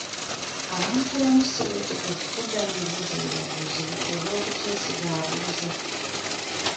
Abantu abamu si beetegefu kuddamu bibuuzo bibabuuzibwa olw'obuteesiga abuuza.